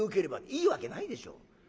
いいわけないでしょ。